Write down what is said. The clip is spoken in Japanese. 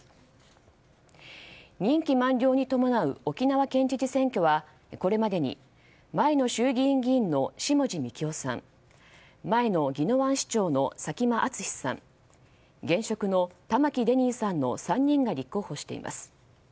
任期満了に伴う沖縄県知事選挙はこれまでに前の衆議院議員の下地幹郎さん前の宜野湾市長の佐喜真淳さん現職の玉城デニーさんの３人が立候補しています。